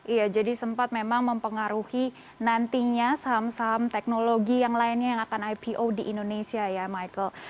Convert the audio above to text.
iya jadi sempat memang mempengaruhi nantinya saham saham teknologi yang lainnya yang akan ipo di indonesia ya michael